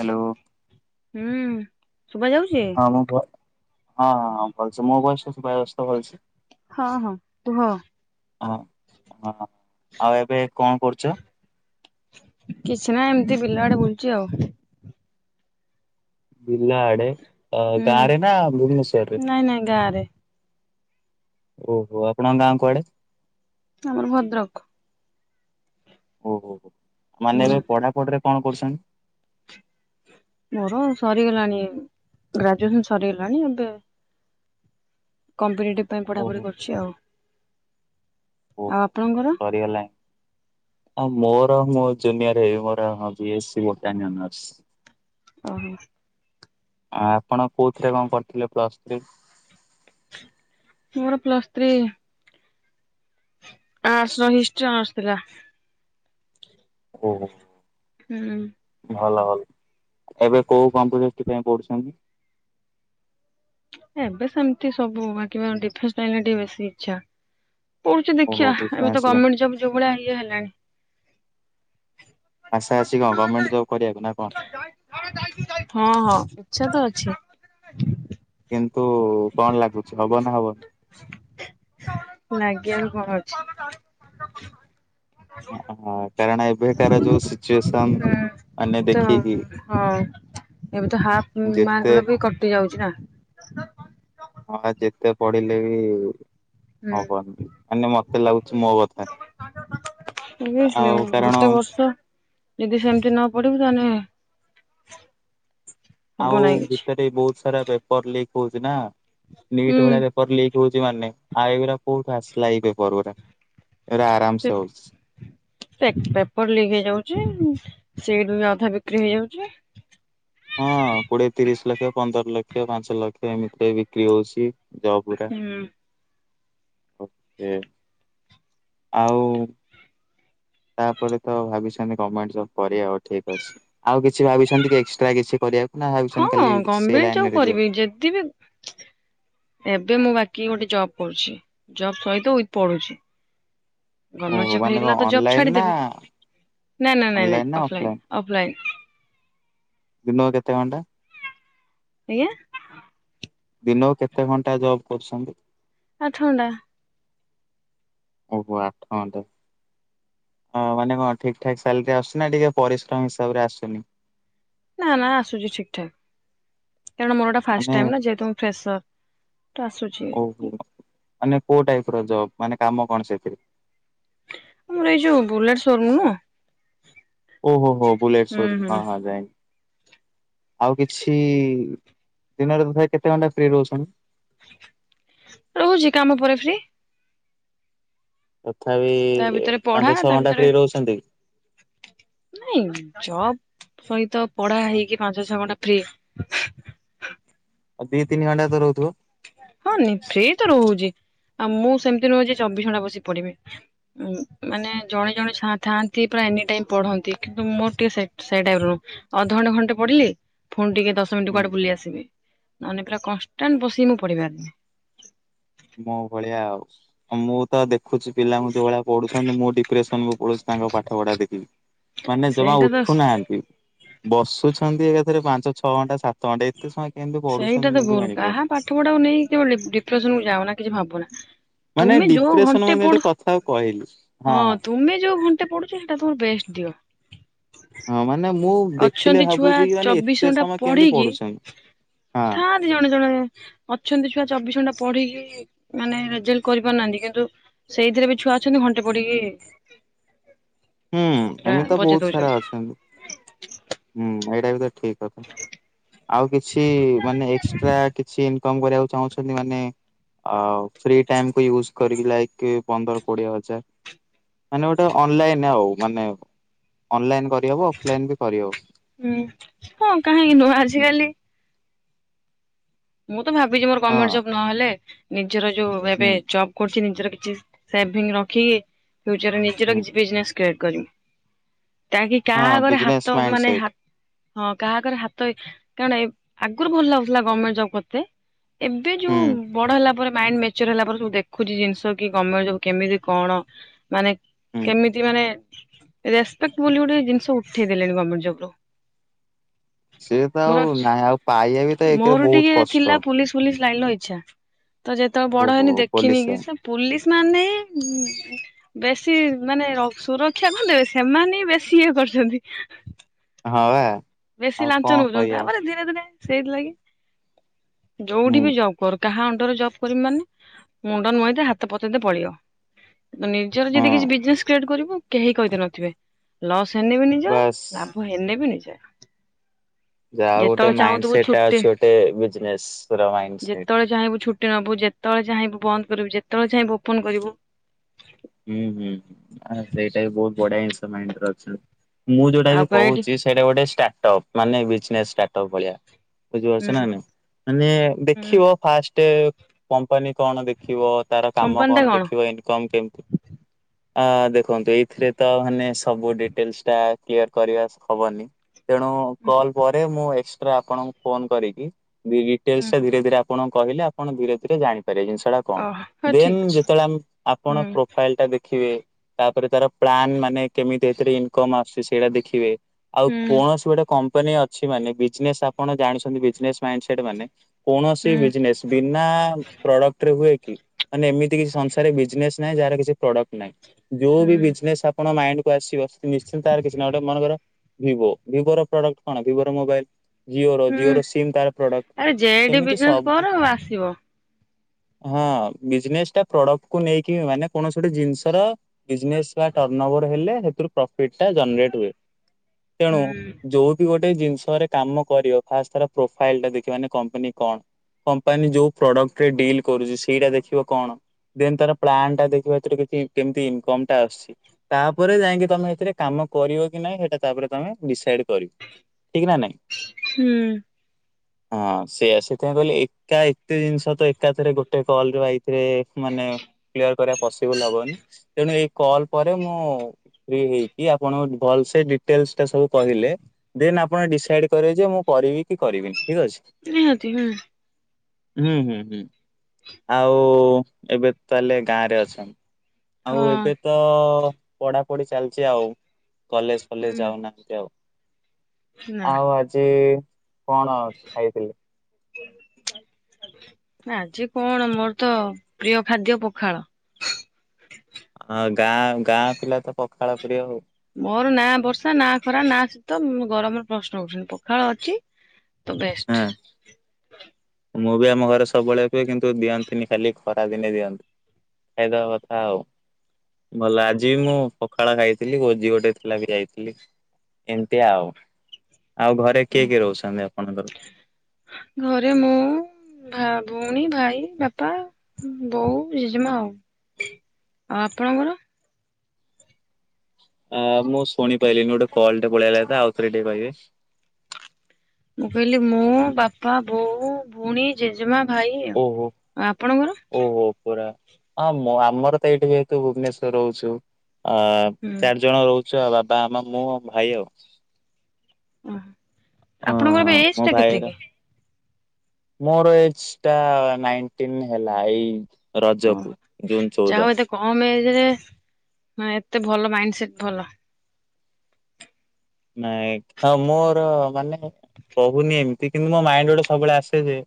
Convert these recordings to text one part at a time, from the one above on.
Hello. ହୁଁ ଶୁଭ ଯାଉଛି? ହଁ ହଁଁ ଭଲସେ ମ ଭଏସ୍ ଶୁବା ଯାଉ ହଁ ହଁ କୁହ। ହଁ ହଁ ହଁ ଆଉ ଏବେ କଣ କରୁଚ? କିଛି ନାଇଁ ଏମିତି ବିଲ ଆଡେ ବୁଲୁଛି ଆଉ। ବିଲ ଆଡେ ଅ ହୁଁ ଗାଁ ରେ ନା ଭୁବନେଶ୍ଵରରେ? ନାଇଁ ନାଇଁ ଗାଁ ରେ। ଓହୋ ଆପଣଙ୍କ ଗାଁ କୁଆଡେ। ଆମର ଭଦ୍ରକ। ଓହୋ ହୋ ମାନେ ହୁଁ ଏବେ ପଢାପଢିରେ କଣ କରୁଛନ୍ତି? ମୋର ସରିଗଲାଣି ଗ୍ରାଜୁଏସନ ସରିଗଲାଣି ଏବେ। କମ୍ପିଟେଟିଭ ପାଇଁ ଓହୋ ପଢାପଢି କରୁଛି ଆଉ। ଉଃ ଆଉ ଆପଣଙ୍କର? ସରିଗଲା। ମୋର ମୁଁ ଜୁନିୟର ହେବି ମୋର ବି ଏସ୍ ସି [unintelligible] ଓହ ଆ ଆପଣ କୋଉଥିରେ କଣ କରିଥିଲେ ପ୍ଲସ୍ ଥ୍ରୀ? ମୋର ପ୍ଲସ୍ ଥ୍ରୀ। ଆଟ୍ସ ର ହିଷ୍ଟ୍ରି ଆସ୍ ଥିଲା। ଓହୋ। ହୁଁଁ। ଭଲ ଭଲ ଏବେ କୋଉ କମ୍ପିଟିଟେଭ୍ ପାଇଁ ପଢୁଛନ୍ତି? ଏବେ ସେମିତି ସବୁ ବାକି ମୋର ଡିଫେନ୍ସ ଲାଇନ୍ ରେ ଟିକେ ବେଶୀ ଇଚ୍ଛା। ପଢୁଚି ଓହୋ ଦେଖିବା ଏବେ ତ ଡିଫେନ୍ସ ଲାଇନ୍ ଗମେଣ୍ଟ ଜବ୍ ଯୋଉ ଭଳିଆ ଇଏ ହେଲାଣି। ଆସା ଆସି କ ଗମେଣ୍ଟ ଜବ କରିବାକୁ ନା କଣ। ହଁ ହଁ ଇଛା ତ ଅଛି। କିନ୍ତୁ କଣ ଲାଗୁଛି ହବ ନା ହବନି। ନାଗିବ ର କଣ ଅଛି। ହଁ କାରଣ ଏବେକାର ଯୋଉ ସିଚୁଏସନ। ମାନେ ତମ୍ ଦେଖିକି ହଁ ଏବେ ତ ହା ଯେତେ ମାର୍କ ର ବି କଟି ଯାଉଛି ନା। ହଁ ପା ଯେତେ ପଢିଲେ ବି ହୁଁ। ହବନି ମାନେ ମତେ ଲାଗୁଛି ମୋ କଥା। ତମେ ବି ସେୟା ଆଉ କାରଣ ଗୋଟେ ବର୍ଷ। ଯଦି ସେମିତି ନ ପଢିବୁ ତାହେନେ ଆଉ ଭିତରେ ବହୁତ ସାରା ପେପର ଲିକ୍ ହଉଛି ନା ହୁଁ ନିଟ୍ ଭଳିଆ ପେପର ଲିକ୍ ହୋଉଚି ମାନେ ଆଉ ଏଗୁରା କୋଉଠୁ ଆସିଲା ଏଇ ପେପର୍ ଗୂରା ଏରା ଆରାମ ସେ ହୋଉଛି। ପେ ପେପର ଲିକ ହେଇଯାଉଚି ସିଟ୍ ବି ଅଧା ବିକ୍ରି ହେଇଯାଉଚି। ହଁ କୋଡିଏ ତିରିଶ୍ ଲକ୍ଷ, ପନ୍ଦର ଲକ୍ଷ, ପାଞ୍ଚ ଲକ୍ଷ, ଏମିତିରେ ବି ବିକ୍ରି ହୋଉଛି। ଜବ ଉରା ହୁଁ। ଓକେ। ଆଉ ତାପରେ ତ ଭାବିଛନ୍ତି ଗମେଣ୍ଟ ଜବ୍ କରିବା ଆଉ ଠିକ୍ ଅଛି। ଆଉ କିଛି ଭାବିଛନ୍ତି କି ଏକ୍ସଟ୍ରା କିଛି କରିବାକୁ ନା ହଁ ଭାବିଛନ୍ତି ଖାଲି ସେଇ ଗଭର୍ଣମେଣ୍ଟ ଜବ୍ ଲାଇନରେ ଯିବ? କରିବି ଯଦି ବି ଏବେ ମୁଁ ବାକି ଗୋଟେ ଜବ୍ କରୁଛି ଜବ୍ ସହିତ ୱିଥ୍ ପଢୁଛି। ଗମେଣ୍ଟ ଓହୋ ଜବ ମାନେ କଣ ହେଇଗଲା ତ ଜବ ଅନଲାଇନ ନା ଛାଡ଼ିଦେବି ନାଇଁ ନାଇଁ ନାଇଁ ନାଇଁ ଅନଲାଇନ ନା ଅଫଲାଇନ୍ ଅଫଲାଇନ ଅଫ୍ଲାଇନ୍। ଦିନକୁ କେତେ ଘଣ୍ଟା? ଆଜ୍ଞା? ଦିନକୁ କେତେ ଘଣ୍ଟା ଜବ କରୁଛନ୍ତି? ଆଠ ଘଣ୍ଟା। ଓହୋ ଆଠ ଘଣ୍ଟା। ହଁ ମାନେ କଣ ଠିକ ଠାକ୍ ସାଲେରୀ ଆସୁଚି ନା ଟିକେ ପରିଶ୍ରମ ହିସାବରେ ଆସୁନି? ନା ନା ଆସୁଚି ଠିକ୍ ଠାକ୍। କାରଣ ମୋର ଏଟା ଫାଷ୍ଟ ମାନେ ଟାଇମ୍ ନା ଯେହେତୁ ମୁଁ ଫ୍ରେସର ତ ଆସୁଚି। ଓହୋ ମାନେ କୋଉ ଟାଇପର ଜବ୍ ମାନେ କାମ କଣ ସେଇଥିରେ? ଆମର ଏଇ ଯୋଉ ବୁଲେଟ୍ ସୋରୁୁମ୍ ନୁହଁ ଓହୋ ହୋ ବୁଲେଟ୍ ହୁଁ ସୋରୁମ୍ ହଁ ହୁଁ ହଁ ଜାଇଁଲି। ଆଉ କିଛି ଦିନରେ ତଥାପି କେତେ ଘଣ୍ଟା ଫ୍ରି ରହୁଛନ୍ତି? ରହୁଚି କାମ ପରେ ଫ୍ରି। ତଥାପି ତା ଭିତରେ ପଢା ପାଞ୍ଚ ଛଅ ତା ଘଣ୍ଟା ଭିତରେ ଫ୍ରି ରହୁଛନ୍ତି କି? ନାଇଁ ଜବ ସହିତ ପଢା ହେଇକି ପାଞ୍ଚ ଛଅ ଘଣ୍ଟା ଫ୍ରି ଆଉ ଦିଇ ତିନି ଘଣ୍ଟା ତ ରହୁଥୁବ। ହଁ ନି ଫ୍ରି ତ ରହୁଚି ଆଉ ମୁଁ ସେମତି ନୁହେଁ ଯିଏ ଚବିଶ ଘଣ୍ଟା ବସିକି ପଢ଼ିବି। ଉଁ ମାନେ ଜଣେ ଜଣେ ଛା ଥାଆନ୍ତି ପୁରା ଏନି ଟାଇମ୍ ପଢ଼ନ୍ତି କିନ୍ତୁ ମୋର ଟିକେ ସେଇ ସେଇ ଟାଇପର ନୁଅଁ ଅଧଘଣ୍ଟେ ଘଣ୍ଟେ ପଢ଼ିଲି ଫୁଣି ଟିକେ ଦଶ ଶ ମିନଟି ହୁଁ। କୁଆଡେ ବୁଲି ଆସିବି ନହେନେ ପୁରା କନଷ୍ଟାଣ୍ଟ ବସିକି ମୁଁ ପଢିପାରନି। ମୋ ଭଳିଆ ଆଉ। ଆଉ ମୁଁ ତ ଦେଖୁଚି ପିଲାଙ୍କୁ ଯୋଉ ଭଳିଆ ପଢୁଛନ୍ତି ମୁଁ ଡିପ୍ରେସନକୁୁ ପଳୋଉଛି ତାଙ୍କ ପାଠ ପଢା ଦେଖିକି। ମାନେ ଜମା ସେଇଟା ତ ଉଠୁନାହାନ୍ତି। ବସୁଛନ୍ତି ଏକାଥରେ ପାଞ୍ଚ ଛଅ ଘଣ୍ଟା ସାତ ଘଣ୍ଟା ଏତେ ସମୟ କେମତି ପଢୁଛନ୍ତି ସେଇଟା ତ ମୁଁ ବି ଭୁଲ ଜଣିପାରୁ କାହା ପାଠ ପଢାକୁ ନେଇକି କେବେ ଡି ଡିପ୍ରେସନକୁ ଯାଅନା କିଛି ଭାବନା ମାନେ ତୁମେ ଯୋଉ ଡିପ୍ରେସନ ଘଣ୍ଟେ ମାନେ ଗୋଟେ ପଢୁ କଥାକୁ କହିଲି ହଁଁ ହଁ। ତୁମେ ଯୋଉ ଘଣ୍ଟେ ପଢ଼ୁଚ ସେଇଟା ତମର ବେଷ୍ଟ ଦିଅ। ହଁ ମାନେ ମୁଁ ଦେଖିଲେ ଅଛନ୍ତି ଛୁଆ ଭାବୁଛି କି ମାନେ ଚବିଶ ଏତେ ଘଣ୍ଟା ସମୟ କେମିତି ପଢିକି ପଢୁଛନ୍ତି ହଁ। ଥାଆନ୍ତି ଜଣେ ଜଣେ ଅଛନ୍ତି ଛୁଆ ଚବିଶ ଘଣ୍ଟା ପଢିକି ମାନେ ରେଜଲ୍ଟ କରିପାରୁ ନାହାନ୍ତି କିନ୍ତୁ ସେଇଥିରେ ବି ଛୁଆ ଅଛନ୍ତି ଘଣ୍ଟେ ପଢିକି ହୁଁ ପୁରା ଏମତି ତ ବଜେଇ ବୋହୁତ ସାରା ଦଉଛନ୍ତି। ଅଛନ୍ତି। ହୁଁ ଏଇଟା ବି ତ ଠିକ କଥା ଆଉ କିଛି ମାନେ ଏକ୍ସଟ୍ରା କିଛି ଏମ୍ କମ୍ କରିବାକୁ ଚାହୁଁଛନ୍ତି ମାନେ ଆଉ ଫ୍ରି ଟାଇମକୁୁ ୟୁଜ କରିକି ଲାଇକ ପନ୍ଦର କୋଡିଏ ହଜାର ମାନେ ଗୋଟେ ଅନଲାଇନ ଆଉ ମାନେ ଅନଲାଇନ କରିହବ ଅଫଲାଇନ ବି କରିହବ। ହୁଁ ହଁ କାହିଁକି ନୁହେଁ ହୁଁ ଆଜିକାଲି ମୁଁ ତ ଭାବିଚି ମୋର ହଁ ଗଭର୍ଣମେଣ୍ଟ ଜବ୍ ନହେଲେ ନିଜର ଯୋଉ ଏବେ ହୁଁ ଜବ କରୁଚି ନିଜର କିଛି ସେଭିଙ୍ଗ ରଖିକି ଫ୍ୟୁଚରରେ ନିଜର ହୁଁ କିଛି ବିଜନେସ୍ କ୍ରିଏଟ୍ କରିମି କାହିଁକି ହଁ କାହା ଆଗରେ ବିଜନେସ ହାତ ମାଇଣ୍ଡ ମାନେ ସେଟ୍ ହା ହଁ କାହାକରେ ହାତ କାରଣ ଏ ଆଗରୁ ଭଲ ଲାଗୁଥିଲା ଗମେଣ୍ଟ ଜବ କେତେ। ଏବେ ହୁଁ ଯୋଉ ବଡ ହେଲା ପରେ ମାଇଣ୍ଡ ମେ ମାଚୁର୍ ହେଲା ପରେ ସବୁ ଦେଖୁଛି ଜିନିଷ କି ଗମେଣ୍ଟ ସବୁ କେମିତି କଣ ମାନେ ହୁଁ। କେମିତି ମାନେ ରେସପେକ୍ଟ ବୋଲି ଗୋଟେ ଜିନିଷ ଉଠେଇ ଦେଲେଣି ଗମେଣ୍ଟ ଜବ୍ ରୁ। ସେଏତ ମୋର ଆଉ ନାହିଁ ଆଉ ପାଇବା ବି ତ ଏକଥିରେ ବହୁତ କଷ୍ଟ। ପୁଲିସ୍‌ ଫୁଲିସ୍‌ ଲାଇନ ଇଚ୍ଛା ତ ଯେତେବେଳେ ବଡ ଓହୋ ହେଇନି ଦେଖିନି ପୋଲିସ କି ଲାଇନ ସେ ପୋଲିସ୍‌ ମାନେ ବେଶୀ ମାନେ ସୁରକ୍ଷା ଦେବେ ସେମାନେ ବେଶୀ ଇଏ କରୁଛନ୍ତି। ହଁବା। ବେଶୀ ଲାଞ୍ଚ ନଉଛନ୍ତି ତାପରେ ଧୀରେ ଧୀରେ ସେଇଥିଲାଗି ହୁଁ ଯୋଉଠି ବି ଜବ୍। କର କାହା ଅଣ୍ଡରେ ଜବ୍ କରିି ମାନେ ମୁଣ୍ଡ ନୁଆଇଁ ଦେ ହାତ ପତେଇଦେ ପଳେଇବ। ନିଜର ହଁ ଯଦି କିଛି ବିଜନେସ କ୍ରିଏଟ କରିବୁ କେହି କହିତେ ନଥିବେ ଲସ୍‌ ହେନେ ବି ନିଜ ବାସ୍। ହେଲେ ବି ନିିଜେ। ଯାହା ଗୋଟେ ମାଇଣ୍ଡ ସେଇଟା ଅଛି ଗୋଟେ ବିଜିନେସ୍‌ ର ମାଇଁଣ୍ଡସେଟ୍। ତ ଚାହିଁବୁ ଛୁ ଟେ ନବୁ ଯେତେବେଳେ ଚାହିଁବୁ ବନ୍ଦ କରିବୁ ଯେତେବେଳେ ଚାହିଁ ଓପନ୍‌ କରିବୁ। ହୁଁ ହୁଁ ସେଇଟା ବି ବହୁତ ବଢିଆ ଜିନିଷ ମାଇଣ୍ଡ ରେ ଅଛି। ମୁଁ ଯୋଉଟା ଆଉ ବି କଣ ଏଇଠି କହୁଛି ସେଇଟା ଗୋଟେ ଷ୍ଟାର୍ଟ ଅପ୍ ମାନେ ବିଜନେସ ଷ୍ଟାଟ ଅପ୍ ଭଳିଆ। ବୁଝିପାରୁଛ ହୁଁ ନା ନାଇଁ ମାନେ ହୁଁ ଦେଖିବ ଫାଷ୍ଟ କମ୍ପାନୀ କଣ ଦେ ଦେଖିବ ତାର କାମ କମ୍ପାନୀ ଟା କଣ ଦେଖିବ ଇନ୍‌କମ୍ କେମ୍ ଆ ଦେଖନ୍ତୁ ଏଇଥିରେ ତ ମାନେ ସବୁ ଡିଟେଲସ ଟା କ୍ଳିଅର କରିବା ହବନି। ତେଣୁ କଲ୍ ପରେ ମୁଁ ଏକ୍ସଟ୍ରା ଆପଣଙ୍କୁ ଫୋନ କରିକି ହୁଁ କେସ୍‌ଟା ହୁଁ ଧୀରେ ଧୀରେ ଆଣ କହିଲେ ଆପଣ ଧୀରେ ଧୀରେ ଜାଣିପାରିବା ଜିନିଷ। ସେଟା କଣ ଓହ ହଉ ଦେ ଠିକ ଅଛି ଯେତେବେଳେ ଆପଣ ହୁଁ ଫାଇଲ୍ ଟା ଦେଖିବେ ତାପରେ ତାର ପ୍ଲାନ ମାନେ କେମିତି ଏଥିରେ ଇନକମ୍ ଆସୁଛି ସେଇଟା ଦେଖିବେ। ଆଉ ହୁଁ କୌଣସି ଗୋଟେ କମ୍ପାନୀ ଅଛି ମାନେ ବିଜ୍‌ନେସ୍ ଆପଣ ଜାଣିଛନ୍ତି ବିଜ୍‌ନେସ୍‌ ମାଇଣ୍ଡ ସେଟ୍ ମାନେ କୌଣସି ହୁଁ ବିଜ୍‌ନେସ୍‌ ବିନା ପ୍ରଡକ୍ଟରେ ହୁଏ। କି ମାନେ ଏମିତି କିଛି ସଂସାରେ ବିଜ୍‌ନେସ୍‌ ନାଇଁ ଜାହାର କିଚି ଉତ୍ପାଦ ହୁଁ ନାହିଁ। କଣ ମାଇଣ୍ଡ କୁ ଆସିବ ନିଶ୍ଚିନ୍ତ କିଛି ନା ଗୋଟେ ମାନଙ୍କର ଭିବୋ ଭିବୋ ର ପ୍ରଡକ୍ଟ କଣ ଭିବୋ ର ମୋବାଇଲ୍ ଜିଓ ର ହୁଁ ଜିଓ ର ସିମ୍ ତାର ଆରେ ପ୍ରଡକ୍ଟ ଯେଠି ସେମିତି ବିଜନେସ କର ସବୁ ଆସିବ ହଁ ବିଜନେସ୍ ଟା ପ୍ରଡକ୍ଟ କୁ ନେଇକି ମାନେ କୌଣସି ଗୋଟେ ଜିନିଷର ବିଜନେସ୍ ବା ଟର୍ନଭର ହେଲେ ସେଥିରୁ ପ୍ରଫିଟ୍ ଟା ଜନଟ ହୁଏ। ତେଣୁ ହୁଁ ଯୋଉ ଗୋଟେ ଜିନିଷରେ କାମ କରିବା ଫାଷ୍ଟ ପ୍ରୋଫାଇଲ୍ ତ ଟା ଦେଖିବା କମ୍ପାନୀ କଣ? କମ୍ପାନୀ ଯୋଉ ପ୍ରଡକ୍ଟ ରେ ଡିଲ୍ କରୁଛି ସେଇଟା ଦେଖିବ କଣ ଦେନ୍ ତାର ପ୍ଲାନ୍ ଟା ଦେଖିବା ସେଥିରେ କିଛି କେମିତି ଇନକମ୍ ଟା ଆସୁଛି। ତାପରେ ଯାଇକି ତମେ ସେଥିରେ କାମ କରିବ କି ନାଇଁ ସେଟା ତାପରେ ତମେ ଡିସାଇଟ୍ କରିବ। ଠିକ୍ ନା ନାଇଁ। ହୁଁ। ହଁ ସେଇଆ ସେଥିପାଇଁ କହିଲେ ଏକା ଏତେ ଜିନିଷ ତ ଏକାଥରେ ଗୋଟେ କଲ୍ ୱାଇଥିରେ ମାନେ ଇଏ କରିବା ପିସିପୁଲ୍ ହବନି। ତେଣୁ ଏଇ କଲ ପରେ ମୁଁ ଫ୍ରି ହେଇକି ଆପଣ ଭଲ ସେ ଡିଟେଲସ୍ ଟା ସବୁ କହିଲେ। ଦେନ୍ ଆପଣ ଡିସାଇଡ୍‌ କରେ ଯେ ମୁଁ କରିବି କି କରିବିନି ଠିକ୍ ଅଛି। ନିହାତି ହୁଁ। ହୁଁ ହୁଁ ହୁଁ ଆଉ ଏବେ ତାହେଲେ ଗାଁ ରେ ଅଛନ୍ ଆଉ ହଁ ଏବେ ତ ପଢ଼ାପଢ଼ି ଚାଲିଛି ଆଉ। କଲେଜ୍‌ ଫଲେଜ୍‌ ହୁଁ ଯାଉନାହାନ୍ତି ଆଉ। ନା ଆଉ ଆଜି କଣ ଆସ ଖାଇଥିଲେ? ଆଜି କଣ ମୋର ତ ପ୍ରିୟ ଖାଦ୍ୟ ପଖାଳ ହଁ ଗାଁ ଗାଁ ପିଲା ତ ପଖାଳ ପ୍ରିୟ ଆଉ ମୋର ନା ବର୍ଷା ନା ଖରା ନା ଶୀତ ଉଁ ଗରମର ପ୍ରଶ୍ନ ଉଠୁନି ପଖାଳ ଅଛି। ତ ହଁ। ବେଷ୍ଟ। ମୁଁ ବି ଆମ ଘରେ ସବୁବେଳେ କୁହେ କିନ୍ତୁ ଦିଅନ୍ତିନି ଖାଲି ଖରା ଦିନେ ଦିଅନ୍ତି ଖାଇଦବା କଥା ଆଉ ଭଲ ଆଜି ବି ମୁଁ ପଖାଳ ଖାଇଥିଲି ଭୋଜି ଗୋଟେ ଥିଲା ବି ଯାଇଥିଲି। ଏମିତି ଆଉ ଆଉ ଘରେ କିଏ କିଏ ରହୁଛନ୍ତି ଆପଣଙ୍କର ଘରେ ମୁଁ ଭା ଭଉଣୀ, ଭାଇ, ବାପା, ବୋଉ, ଜେଜେମାଁ ଆଉ ଆଉ ଆପଣଙ୍କର? ଅ ମୁଁ ଶୁଣି ପାଇଲିନି ଗୋଟେ କଲ୍ ଟେ ପଳେଇ ଆଇଲା ତ ଆଉ ଥରେ ଟିକେ କହିବେ ମୁଁ କଇଲି ମୁଁ ବାପା ବୋଉ ଭଉଣୀ, ଜେଜେମା, ଭାଇ ଆ ଆପଣଙ୍କର? ଓ ପୁରା ଅ ମୁଁ ଆମର ତ ଏଇଠି ଯେହେତୁ ଭୁବନେଶ୍ୱରରେ ରହୁଛୁ ଆଁ ହୁଁ ଚାରି ଜଣ ରହୁଛୁ ଚୁ ଆଉ ବାପା ଆମ ମୁଁ ଭାଇ ଆଉ ଆଃ ଅ ଆପଣଙ୍କୁ ଏବେ ଏଜ୍ ମୋ ଟା କେତେ ଭାଇର କି? ମୋର ଏଜ ଟା ନାଇଣ୍ଟିନ୍ ହେଲା ଏଇ ଓହୋ ରଜକୁ ଜୁନ ଯାହା ଚଉଦ ହଉ ଏତେ କମ ଏଜରେ ମାନେ ଏତେ ଭଲ ମାଇଣ୍ଡ ସେଟ୍ ଭଲ। ନାଇ କ ହଁ ମୋର ମାନେ କହୁନି ଏମିତି କିନ୍ତୁ ମୋ ମାଇଣ୍ଡ ଗୋଟେ ସବୁବେଳେ ଆସେ ଯେ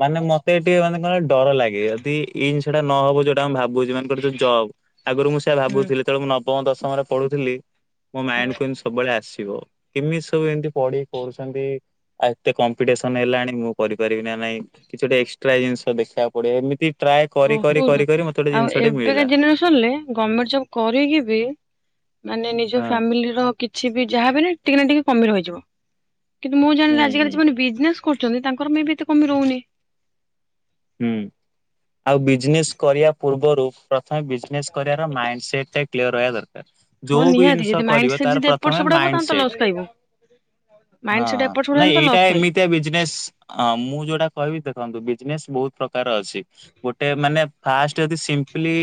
ମାନେ ମତେ ଏଠି ଟିକେ ମାନେ କଣ ଡର ଲାଗେ ଯଦି ଏଇ ଜିନିଷଟା ନହବ ଯୋଉଟା ମୁଁ ଭାବୁଛି ମାନଙ୍କର ଯୋଉ ଜବ୍ ଆଗରୁ ମୁଁ ସେଇଆ ହୁଁ ଭାବୁଥିଲି ଯେତେବେଳେ ମୁଁ ନବମ ଦଶମରେ ପଢୁଥିଲି ମୋ ମାଇଣ୍ଡ କୁ ହୁଁ ଏମିତି ସ ସବୁବେଳେ ଆସିବ କେମିତି ସବୁ ଏମତି ପଢିକି କରୁଛନ୍ତି। ଆଉ ଏତେ କମ୍ପିଟିସନ ହେଲାଣି ମୁଁ କରିପାରିବି ନା ନାଇଁ କିଛି ଗୋଟେ ଏକ୍ସଟ୍ରା ଜିନିଷ ଦେଖିବାକୁ ପଡିବ ଏମିତି ଟ୍ରାଏ କରି କରି କରି କରି ମତେ ଗୋଟେ ଜିନିଷ ଟେ ମିଳିଲା। ହେଲେ ଗର୍ମେଣ୍ଟ ଜବ କରିକି ବି ମାନେ ନିଜ ହଁ ଫ୍ୟାମିଲି ର କିଛି ବି ଯାହା ବି ହେଲେ ଟିକେ ନା ଟିକେ କମି ରହିଯିବ। କିନ୍ତୁ ମୁଁ ହୁଁ ଜାଣିଲି ଆଜିକାଲି ହୁଁ ଯୋଉମାନେ ବିଜନେସ୍ କରୁଚନ୍ତି ତାଙ୍କର ମେ ବି ଏତେ କମି ରହୁନି। ହୁଁ ଆଉ ବିଜନେସ୍ କରିବା ପୂର୍ବରୁ ପ୍ରଥମେ ବିଜନେସ୍ କରିବାର ମାଇଣ୍ଡ ସେଟ ଟା କ୍ଲିଅର ରହିବା ଦରକାର ହଁ ଯୋଉ ବି ନିହାତି ଜିନିଷ ଯଦି ମାଇଣ୍ଡ କରିବ ସେଟ ତାର ଯଦି ଏପଟ ପ୍ରଥମେ ସେପଟ ହବ ମାଇଣ୍ଡ ତାହେଲେ ତ ଲସ୍ ସେଟ ଖାଇବୁ ମାଇଣ୍ଡ ହଁ ସେଟ ଏପଟ ସେପଟ ହେଲେ ନାଇଁ ତ ଏଇଟା ଲସ୍ ଖାଇବୁ। ଏମିତିଆ ବିଜନେସ୍ ଅଁ ମୁଁ ଯୋଉଟା କହିବି ଦେଖନ୍ତୁ ବିଜନେସ୍ ବହୁତ ପ୍ରକାର ଅଛି ଗୋଟେ ମାନେ ଫାଷ୍ଟ ଯଦି ସିମ୍ପଲି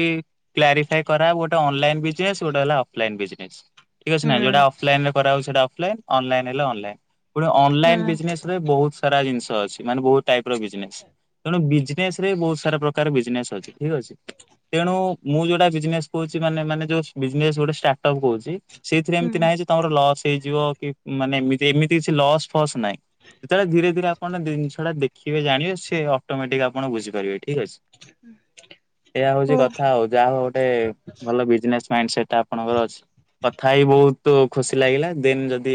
କ୍ଲାରିଫାଇ କରା ହବ ଗୋଟେ ଅନଲାଇନ୍ ବିଜନେସ୍ ଗୋଟେ ହେଲା ଅନଲାଇନ୍ ବିଜନେସ୍। ଠିକ ଅଛି ନା ହୁଁ। ଯୋଉଟା ଅଫଲାଇନ୍ ରେ କରାହଉଛି ସେଟା ଅଫଲାଇନ୍ ଅନଲାଇନ୍ ହେଲେ ଅନଲାଇନ୍ ପୁଣି ଅନଲାଇନ୍ ହୁଁ ବିଜନେସ୍ ବହୁତ ସାରା ଜିନିଷ ଅଛି ମାନେ ବହୁତ ଟାଇପ୍ ର ବିଜନେସ୍ ତେଣୁ ବିଜନେସ୍ ରେ ବହୁତ ସାରା ପ୍ରକାର ବିଜନେସ୍ ଅଛି ଠିକ ଅଛି। ତେଣୁ ମୁଁ ଯୋଉଟା ବିଜନେସ୍ କହୁଛି ମାନେ ମାନେ ଯଷ୍ଟ ବିଜନେସ୍ ଗୋଟେ ଷ୍ଟାଟଅପ୍ କହୁଛି। ସେଇଥିରେ ଏମିତି ନାହିଁ ହୁଁ ଯେ ତମର ଲସ୍ ହେଇଯିବ କି ମାନେ ଏମତି ଏମିତି କିଛି ଲସ୍ ଫସ୍ ନାହିଁ। ଯେତେବେଳେ ଧୀରେ ଧୀରେ ଆପଣ ଜିନିଷଟା ଦେଖିବେ ଜାଣିବେ ସେ ଅଟୋମେଟିକ୍ ଆପଣ ବୁଝିପାରିବେ। ଠିକ୍ ଅଛି। ଏହା ଓ ହଉଛି କଥା ଆଉ ଯାହା ହଉ ଗୋଟେ ଭଲ ବିଜନେସ୍ ମାଇଣ୍ଡ ସେଟା ଆପଣଙ୍କର ଅଛି। କଥା ହେଇ ବହୁତ ଖୁସି ଲାଗିଲା ଦିନ ଯଦି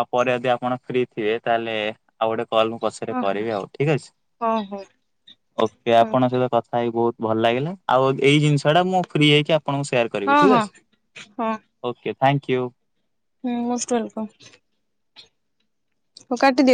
ଆଉ ପରେ ଯଦି ଆପଣ ଫ୍ରି ଥିବେ ତାହେଲେ ଆଉ ଗୋଟେ କଲ ମୁଁ ପଛରେ କରିବି ଆଉ ଠିକ ଅଛି। ହଁ ହଉ। ଓକେ ହଁ ଆପଣଙ୍କ ସହିତ କଥା ହେଇକି ବହୁତ ଭଲ ଲାଗିଲା ଆଉ ଏଇ ଜିନିଷ ଟା ମୁଁ ଫ୍ରି ହେଇକି ଆପଣଙ୍କୁ ସେୟାର କରିବି ହଁ ହଉ ହଉ ହଁ ଠିକ ଅଛି ହଁ ଓକ ଥ୍ୟାଙ୍କୟୁ। ହୁଁ ମୋଷ୍ଟ ୱେଲକମ୍। ଓ କାଟିଦିଅ।